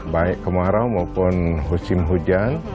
baik kemarau maupun musim hujan